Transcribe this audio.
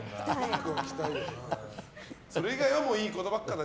それ以外はいいことばっかだ。